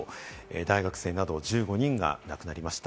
大学生など１５人が亡くなりました。